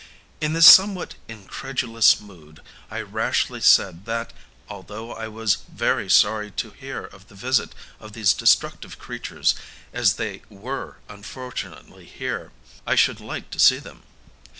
In this somewhat incredulous mood I rashly said that, although I was very sorry to hear of the visit of these destructive creatures, as they were unfortunately here, I should like to see them.